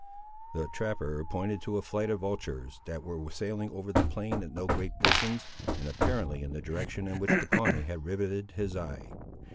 The trapper pointed to a flight of vultures, that were sailing over the plain at no great distance, and apparently in the direction in which the Pawnee had riveted his eye.